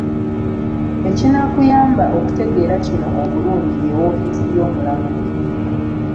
Ekinaakuyamba okutegeera kino obulungi ye woofiisi y'Omulamuzi.